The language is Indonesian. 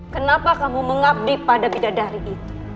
kenapa kamu mengabdi pada bidadari itu